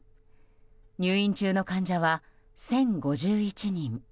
入院中の患者は１０５１人。